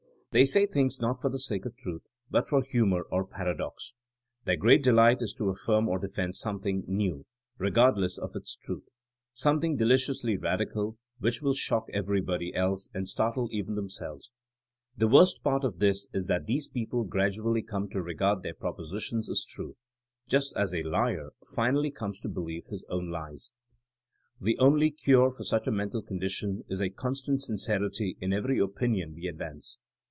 They say things not for the sake of truth but for humor or paradox. Their great delight is to affirm or defend some thing *'new'' regardless of its truth; something deliciously radical which will shock everybody else and startle even themselves. The worst part of this is that these people gradually come to regard their propositions as true, just as a ]i^T finally comes to believe his own lies^ THINKING AS A SCIENCE 119 The only cure for such a mental condition is a constant sincerity in every opinion we ad vance.